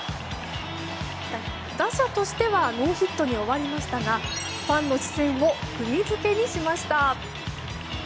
打者としてはノーヒットに終わりましたがファンの視線をくぎ付けにしました。